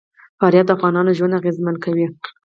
فاریاب د افغانانو ژوند اغېزمن کوي.